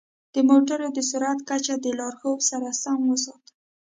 د موټرو د سرعت کچه د لارښود سره سم وساتئ.